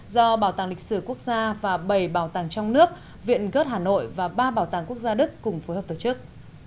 do bảo tàng lịch sử quốc gia và bảy bảo tàng trong nước viện gớt hà nội và ba bảo tàng quốc gia đức cùng phối hợp tổ chức